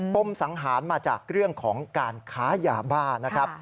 มสังหารมาจากเรื่องของการค้ายาบ้านะครับ